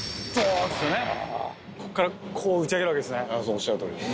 おっしゃる通りです。